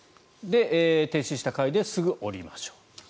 停止した階ですぐ降りましょう。